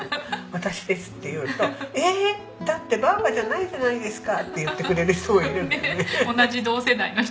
「私です」って言うと「えっ！だってばぁばじゃないじゃないですか」って言ってくれる人もいるんだよね。